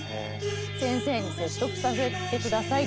先生に説得させてください。